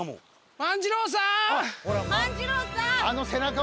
万次郎さん